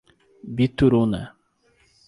Bituruna